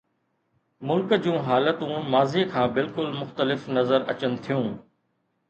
ملڪ جون حالتون ماضيءَ کان بلڪل مختلف نظر اچن ٿيون.